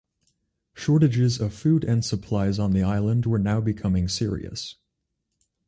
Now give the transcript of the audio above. Shortages of food and supplies on the island were now becoming serious.